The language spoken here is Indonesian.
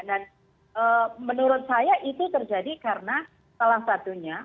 dan menurut saya itu terjadi karena salah satunya